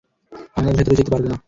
আমরা ভিতরে যেতে পারব না।